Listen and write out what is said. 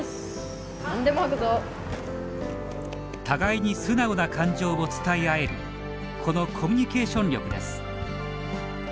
互いに素直な感情を伝え合えるこのコミュニケーション力です。